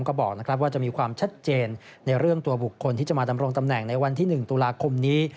ก็บอกว่าจะมีความชัดเจนในเรื่องตัวบุคคลที่จะมาดำรงตำแหน่งในวันที่๑ตุลาคมนี้